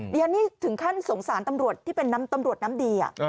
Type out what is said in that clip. ดิฉันนี่ถึงขั้นสงสารตำรวจที่เป็นตำรวจน้ำดี